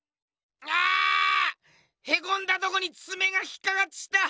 へこんだとこにつめが引っかかっちった！